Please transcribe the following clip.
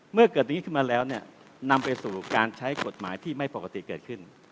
เมื่อเกิดนี้ขึ้นมาแล้วเนี่ยนำไปสู่การใช้กฎหมายที่ไม่ปกติเกิดขึ้น